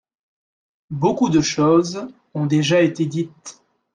Beaucoup de choses ont déjà été dites.